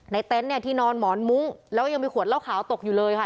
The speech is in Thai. เต็นต์เนี่ยที่นอนหมอนมุ้งแล้วยังมีขวดเหล้าขาวตกอยู่เลยค่ะ